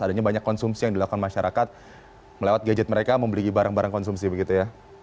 adanya banyak konsumsi yang dilakukan masyarakat melewat gadget mereka membeli barang barang konsumsi begitu ya